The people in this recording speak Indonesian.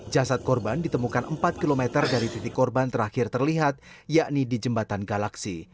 jasad korban ditemukan empat km dari titik korban terakhir terlihat yakni di jembatan galaksi